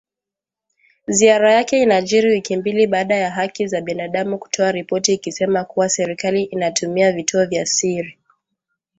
Ziara yake inajiri wiki mbili baada ya haki za binadamu kutoa ripoti ikisema kuwa serikali inatumia vituo vya siri